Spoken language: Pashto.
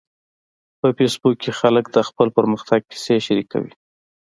په فېسبوک کې خلک د خپل پرمختګ کیسې شریکوي